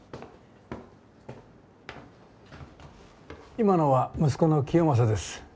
今のは息子の清正です。